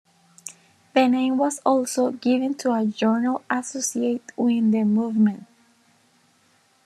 The name was also given to a journal associated with the movement.